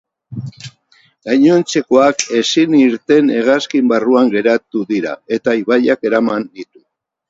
Gainontzekoak ezin irten hegazkin barruan geratu dira eta ibaiak eraman ditu.